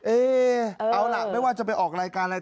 เอ๊เอาล่ะไม่ว่าจะไปออกรายการอะไร